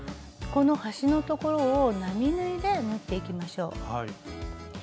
この端の所を並縫いで縫っていきましょう。